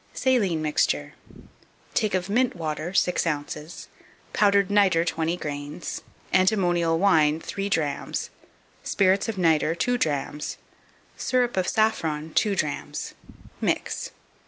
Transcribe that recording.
2554. Saline Mixture. Take of mint water, 6 ounces; powdered nitre, 20 grains; antimonial wine, 3 drachms; spirits of nitre, 2 drachms; syrup of saffron, 2 drachms. Mix.